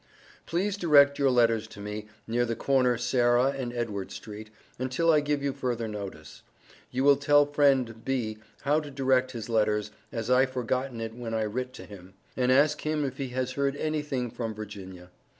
Please direct your letters to me, near the corner Sarah and Edward street, until I give you further notice. You will tell friend B. how to direct his letters, as I forgotten it when I writt to him, and ask him if he has heard anything from Virginia.